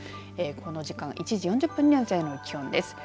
この時間１時４０分の全国の気温です。